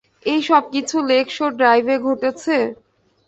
এই সব কিছু লেক শোর ড্রাইভে ঘটেছে?